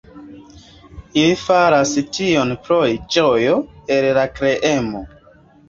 Ili faras tion pro ĝojo el la kreemo.